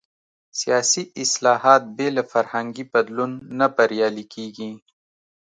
سیاسي اصلاحات بې له فرهنګي بدلون نه بریالي کېږي.